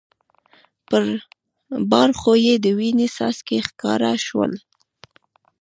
پر باړخو یې د وینې څاڅکي ښکاره شول.